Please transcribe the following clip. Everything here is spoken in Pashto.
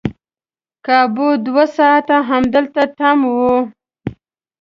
کابو دوه ساعته همدلته تم وو.